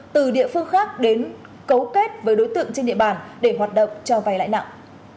từ địa phương khác đến cấu kết với đối tượng trên địa bàn để hoạt động cho vay lãi nặng